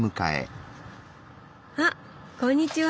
あこんにちは！